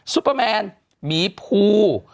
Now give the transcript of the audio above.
ซุปเปอร์แมนหมีภู